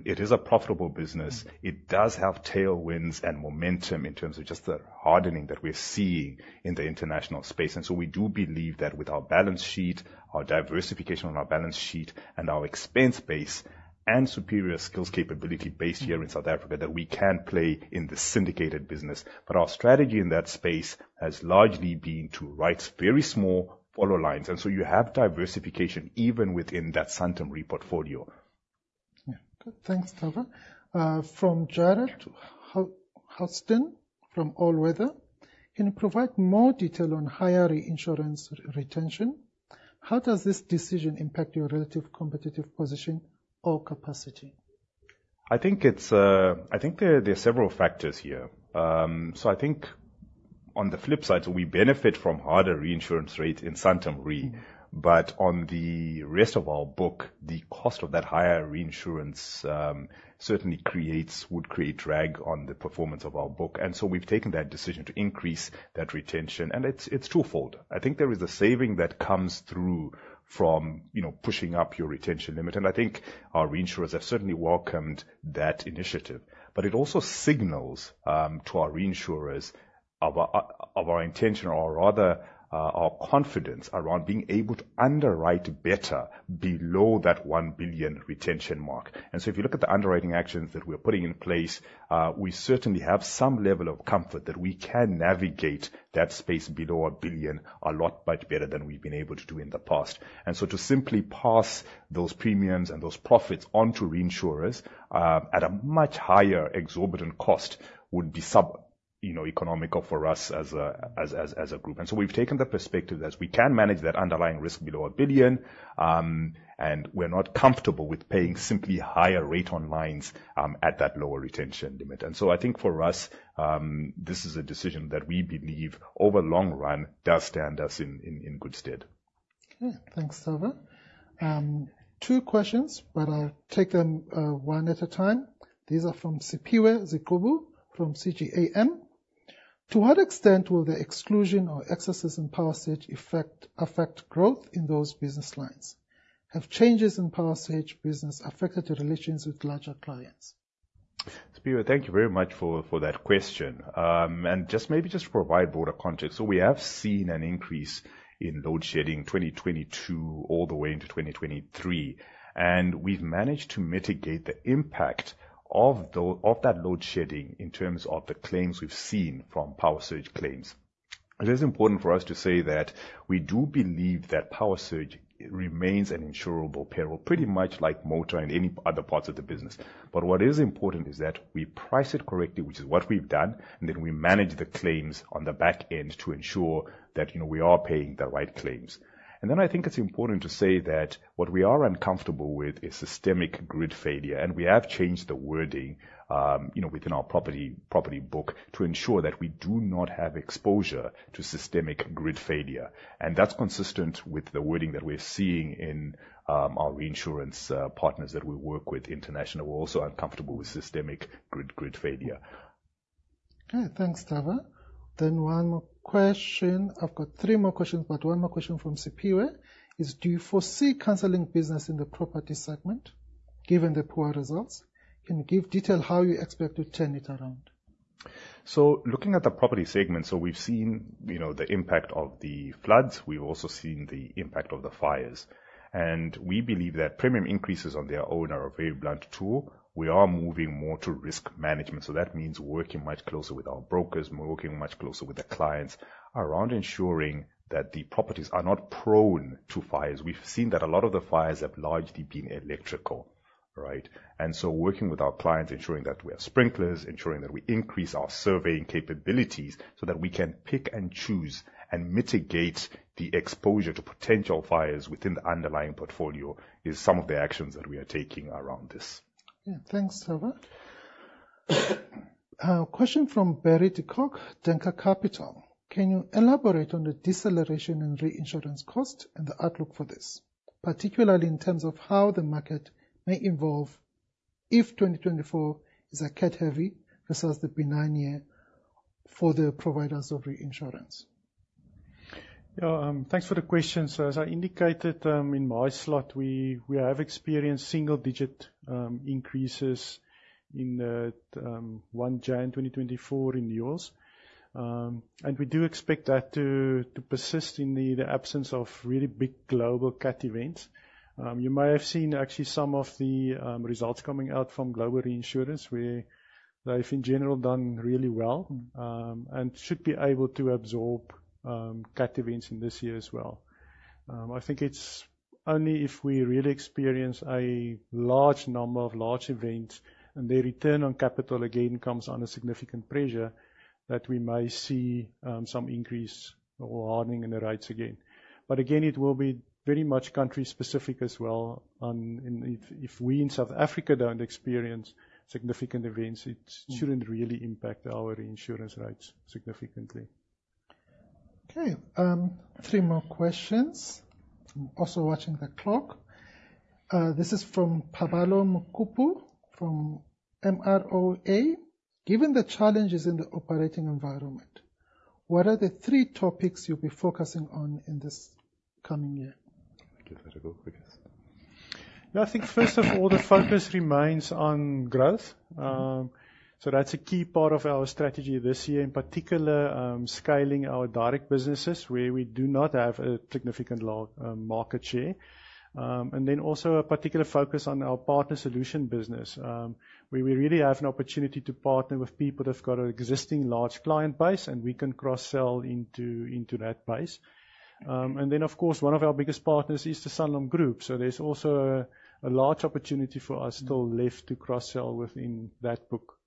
[SPEAKER 1] It is a profitable business. It does have tailwinds and momentum in terms of just the hardening that we're seeing in the international space. We do believe that with our balance sheet, our diversification on our balance sheet and our expense base and superior skills capability based here in South Africa, that we can play in the syndicated business. Our strategy in that space has largely been to write very small follow lines. You have diversification even within that Santam Re portfolio.
[SPEAKER 3] Yeah. Good. Thanks, Tava. From Gerald Halston from Allweather. Can you provide more detail on higher reinsurance retention? How does this decision impact your relative competitive position or capacity?
[SPEAKER 1] I think there are several factors here. I think on the flip side, we benefit from harder reinsurance rates in Santam Re, on the rest of our book, the cost of that higher reinsurance certainly would create drag on the performance of our book. We've taken that decision to increase that retention. It's twofold. I think there is a saving that comes through from pushing up your retention limit, I think our reinsurers have certainly welcomed that initiative. It also signals to our reinsurers of our intention or rather, our confidence around being able to underwrite better below that 1 billion retention mark. If you look at the underwriting actions that we're putting in place, we certainly have some level of comfort that we can navigate that space below 1 billion a lot better than we've been able to do in the past. To simply pass those premiums and those profits on to reinsurers, at a much higher exorbitant cost would be sub-economical for us as a group. We've taken the perspective that we can manage that underlying risk below 1 billion, and we're not comfortable with paying simply higher rate on lines, at that lower retention limit. I think for us, this is a decision that we believe over long run does stand us in good stead.
[SPEAKER 3] Okay. Thanks, Tava. Two questions, but I'll take them one at a time. These are from Sipiwe Zikode, from CGAM. To what extent will the exclusion or excesses in power surge affect growth in those business lines? Have changes in power surge business affected the relations with larger clients?
[SPEAKER 1] Sipiwe, thank you very much for that question. Maybe just to provide broader context. We have seen an increase in load shedding 2022 all the way into 2023, and we've managed to mitigate the impact of that load shedding in terms of the claims we've seen from power surge claims. It is important for us to say that we do believe that power surge remains an insurable peril, pretty much like motor and any other parts of the business. What is important is that we price it correctly, which is what we've done, and then we manage the claims on the back end to ensure that we are paying the right claims. Then I think it's important to say that what we are uncomfortable with is systemic grid failure. We have changed the wording within our property book to ensure that we do not have exposure to systemic grid failure. That's consistent with the wording that we're seeing in our reinsurance partners that we work with internationally, who are also uncomfortable with systemic grid failure.
[SPEAKER 3] Okay. Thanks, Tava. One more question. I've got three more questions, but one more question from Sipiwe is, do you foresee canceling business in the property segment given the poor results? Can you give detail how you expect to turn it around?
[SPEAKER 1] Looking at the property segment. We've seen the impact of the floods. We've also seen the impact of the fires. We believe that premium increases on their own are a very blunt tool. We are moving more to risk management. That means working much closer with our brokers, working much closer with the clients around ensuring that the properties are not prone to fires. We've seen that a lot of the fires have largely been electrical. Right? Working with our clients, ensuring that we have sprinklers, ensuring that we increase our surveying capabilities so that we can pick and choose and mitigate the exposure to potential fires within the underlying portfolio is some of the actions that we are taking around this.
[SPEAKER 3] Yeah. Thanks, Tava. A question from Barry de Kock, Denker Capital. Can you elaborate on the deceleration in reinsurance cost and the outlook for this, particularly in terms of how the market may evolve if 2024 is a CAT heavy versus the benign year for the providers of reinsurance?
[SPEAKER 2] Yeah, thanks for the question. As I indicated in my slot, we have experienced single-digit increases in the January 1, 2024 renewals. We do expect that to persist in the absence of really big global CAT events. You may have seen actually some of the results coming out from global reinsurance, where they've, in general, done really well and should be able to absorb CAT events in this year as well. I think it's only if we really experience a large number of large events and their return on capital again comes under significant pressure, that we may see some increase or hardening in the rates again. But again, it will be very much country specific as well. If we in South Africa don't experience significant events, it shouldn't really impact our insurance rates significantly.
[SPEAKER 3] Okay. Three more questions. I'm also watching the clock. This is from Paballo Mokopu from MROA. Given the challenges in the operating environment, what are the three topics you'll be focusing on in this coming year?
[SPEAKER 1] I think I'll go first.
[SPEAKER 2] Yeah, I think first of all, the focus remains on growth. That's a key part of our strategy this year. In particular, scaling our direct businesses where we do not have a significant market share. Also a particular focus on our partner solution business where we really have an opportunity to partner with people that have got an existing large client base, and we can cross-sell into that base. Of course, one of our biggest partners is the Sanlam Group. There's also a large opportunity for us still left to cross-sell within that book.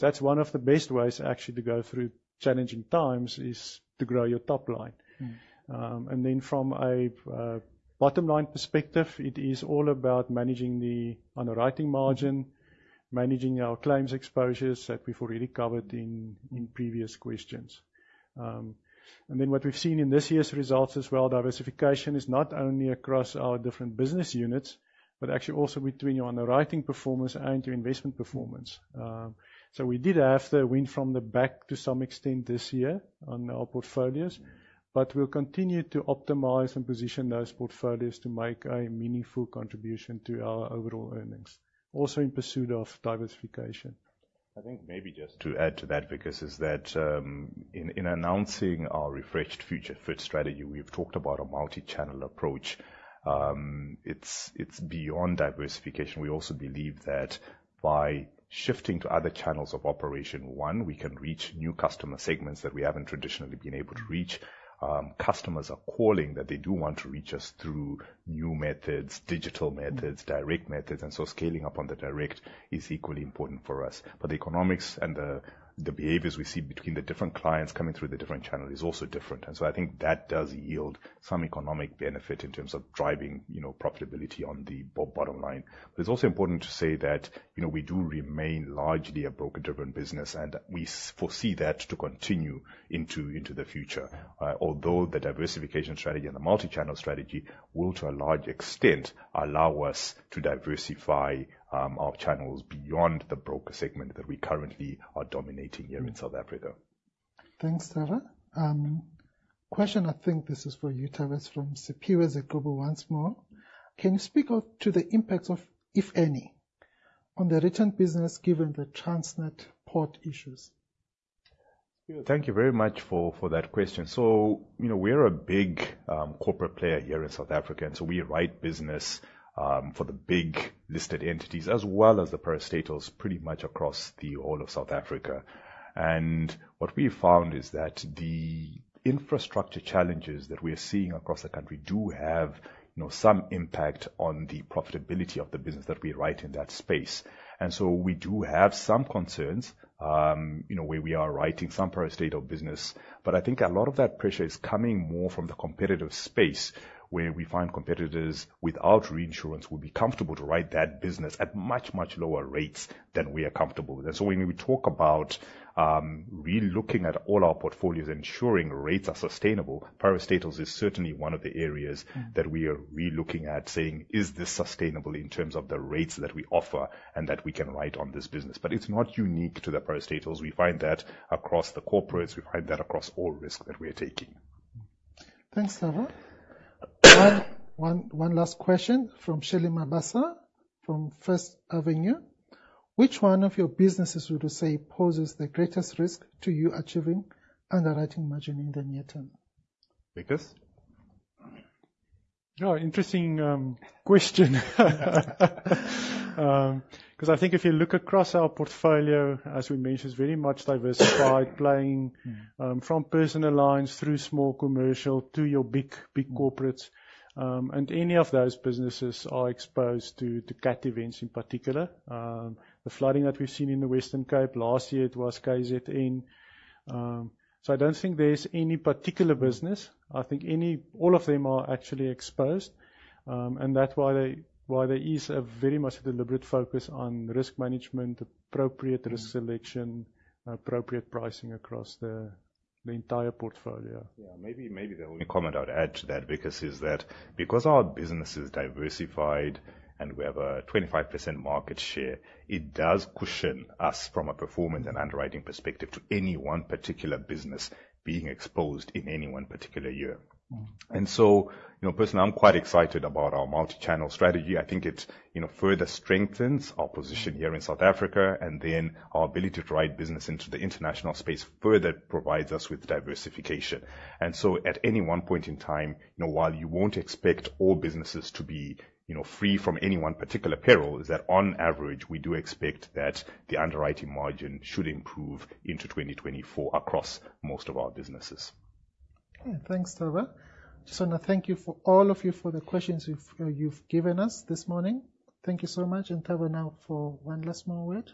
[SPEAKER 2] That's one of the best ways actually to go through challenging times, is to grow your top line. From a bottom-line perspective, it is all about managing the underwriting margin, managing our claims exposures that we've already covered in previous questions. What we've seen in this year's results as well, diversification is not only across our different business units, but actually also between your underwriting performance and your investment performance. We did have the wind from the back to some extent this year on our portfolios, but we'll continue to optimize and position those portfolios to make a meaningful contribution to our overall earnings, also in pursuit of diversification.
[SPEAKER 1] I think maybe just to add to that, Wikus, is that in announcing our Refreshed Future Fit strategy, we've talked about a multi-channel approach. It's beyond diversification. We also believe that by shifting to other channels of operation, one, we can reach new customer segments that we haven't traditionally been able to reach. Customers are calling that they do want to reach us through new methods, digital methods, direct methods. Scaling up on the direct is equally important for us. The economics and the behaviors we see between the different clients coming through the different channel is also different. I think that does yield some economic benefit in terms of driving profitability on the bottom line. It's also important to say that we do remain largely a broker-driven business, and we foresee that to continue into the future. Although the diversification strategy and the multi-channel strategy will, to a large extent, allow us to diversify our channels beyond the broker segment that we currently are dominating here in South Africa.
[SPEAKER 3] Thanks, Tava. Question, I think this is for you, Tava. It's from Sipiwe Zikodu once more. Can you speak to the impacts of, if any, on the return business given the Transnet port issues?
[SPEAKER 1] Thank you very much for that question. We're a big corporate player here in South Africa. We write business for the big listed entities as well as the parastatals pretty much across all of South Africa. What we found is that the infrastructure challenges that we are seeing across the country do have some impact on the profitability of the business that we write in that space. We do have some concerns where we are writing some parastatal business. I think a lot of that pressure is coming more from the competitive space, where we find competitors without reinsurance will be comfortable to write that business at much, much lower rates than we are comfortable with. When we talk about relooking at all our portfolios, ensuring rates are sustainable, parastatals is certainly one of the areas that we are relooking at, saying, "Is this sustainable in terms of the rates that we offer and that we can write on this business?" It is not unique to the parastatals. We find that across the corporates. We find that across all risk that we are taking.
[SPEAKER 3] Thanks, Tavaziva. One last question from Shirley Mabasa from First Avenue. Which one of your businesses would you say poses the greatest risk to you achieving underwriting margin in the near term?
[SPEAKER 1] Wikus?
[SPEAKER 2] Interesting question. I think if you look across our portfolio, as we mentioned, it is very much diversified playing from personal lines through small commercial to your big corporates. Any of those businesses are exposed to CAT events in particular. The flooding that we have seen in the Western Cape last year, it was KZN. I do not think there is any particular business. I think all of them are actually exposed. That is why there is a very much deliberate focus on risk management, appropriate risk selection, appropriate pricing across the entire portfolio.
[SPEAKER 1] Maybe the only comment I would add to that, Wikus, is that because our business is diversified and we have a 25% market share, it does cushion us from a performance and underwriting perspective to any one particular business being exposed in any one particular year. Personally, I am quite excited about our multi-channel strategy. I think it further strengthens our position here in South Africa. Our ability to write business into the international space further provides us with diversification. At any one point in time, while you won't expect all businesses to be free from any one particular peril, is that on average, we do expect that the underwriting margin should improve into 2024 across most of our businesses.
[SPEAKER 3] Okay. Thanks, Tava. Thank you for all of you for the questions you have given us this morning. Thank you so much. And Tava, now for one last more word.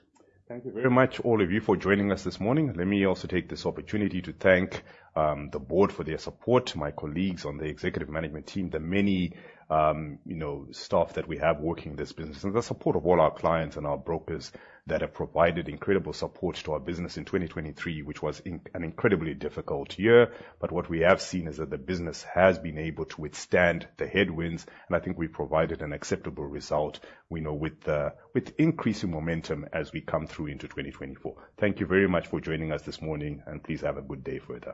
[SPEAKER 1] Thank you very much all of you for joining us this morning. Let me also take this opportunity to thank the board for their support, my colleagues on the executive management team, the many staff that we have working this business, and the support of all our clients and our brokers that have provided incredible support to our business in 2023, which was an incredibly difficult year. What we have seen is that the business has been able to withstand the headwinds, and I think we provided an acceptable result with increasing momentum as we come through into 2024. Thank you very much for joining us this morning, and please have a good day further.